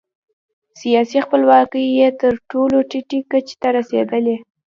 سیاسي خپلواکي یې تر ټولو ټیټې کچې ته رسېدلې.